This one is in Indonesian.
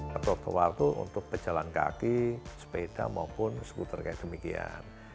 ke trotoar itu untuk pejalan kaki sepeda maupun skuter kayak demikian